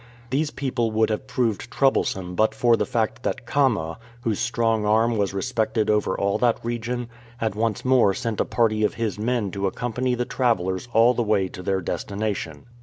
These people would have proved troublesome but for the fact that Khama, whose strong arm was respected over all that region, had once more sent a party of his men to accompany the travellers all the way to their destination.